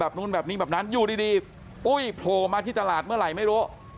นู้นแบบนี้แบบนั้นอยู่ดีปุ้ยโผล่มาที่ตลาดเมื่อไหร่ไม่รู้